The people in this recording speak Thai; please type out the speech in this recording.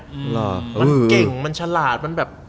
หรอมันเก่งมันฉลาดมันแบบ